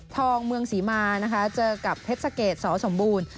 ทองเมืองศรีมาเจอกับเพชรสเกตสสมบูรณ์